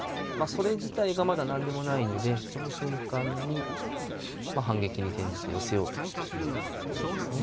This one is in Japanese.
それ自体がまだ何でもないのでその瞬間に反撃に転じて寄せようという読みですね。